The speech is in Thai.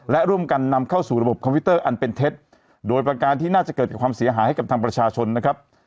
และร่วมกันนำเข้าสู่ระบบคอมพิวเตอร์อันเป็นเท็จโดยประการที่น่าจะเกิดความเสียหายให้กับทางประชาชนนะครับ